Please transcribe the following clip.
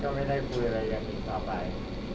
ก็ไม่ได้คุยอะไรกันอีกต่อไป